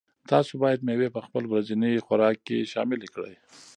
تاسو باید مېوې په خپل ورځني خوراک کې شاملې کړئ.